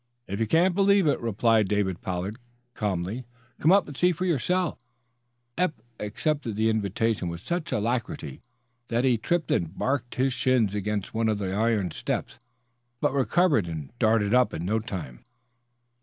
"If you can't believe it," replied David Pollard, calmly, "come up and see for yourself." Eph accepted that invitation with such alacrity that he tripped and barked his shins against one of the iron steps, but recovered and darted up in no time.